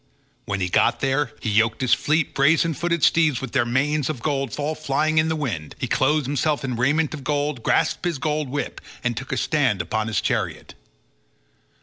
When he got there, he yoked his fleet brazen footed steeds with their manes of gold all flying in the wind; he clothed himself in raiment of gold, grasped his gold whip, and took his stand upon his chariot.